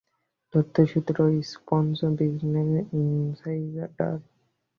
তথ্যসূত্র Snopes, Business insider